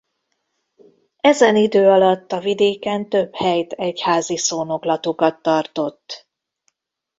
Ezen idő alatt a vidéken több helyt egyházi szónoklatokat tartott.